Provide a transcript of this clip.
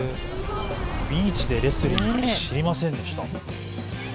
ビーチでレスリング、知りませんでした。